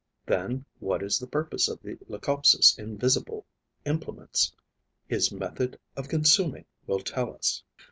Then what is the purpose of the Leucopsis' invisible implements? His method of consuming will tell us.